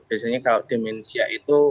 biasanya kalau dimensia itu